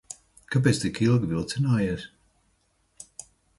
Kāpēc tik ilgi vilcinājies?